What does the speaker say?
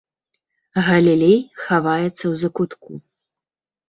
Галілей хаваецца ў закутку.